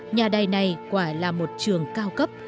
nhà đầy này quả là một trường cao cấp